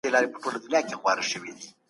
ډیپلوماسي د دوه اړخیزو ستونزو د حل لار ده.